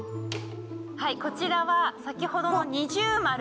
はいこちらは先ほどの。